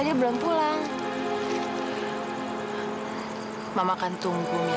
jangan bohong ya kamu ya